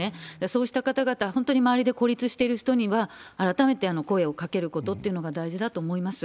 そうした方々、本当に周りで孤立している人には、改めて声をかけることっていうのが大事だと思います。